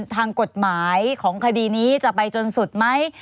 ทางกฎหมายของคดีนี้จะไปจนสุดไหม